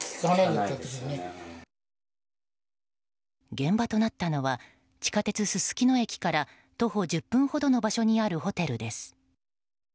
現場となったは地下鉄すすきの駅から徒歩１０分ほどの場所にあるホテルです。